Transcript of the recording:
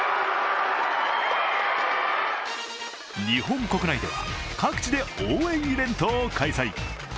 日本国内では各地で応援イベントを開催。